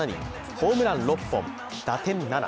ホームラン６本、打点７。